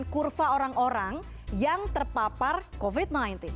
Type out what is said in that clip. bagaimana bisa menekan kurva orang orang yang terpapar covid sembilan belas